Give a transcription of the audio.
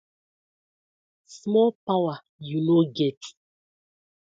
Small powar yu no get.